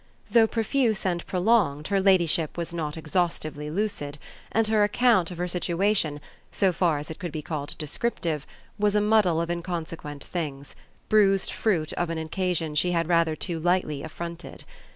Though profuse and prolonged her ladyship was not exhaustively lucid, and her account of her situation, so far as it could be called descriptive, was a muddle of inconsequent things, bruised fruit of an occasion she had rather too lightly affronted.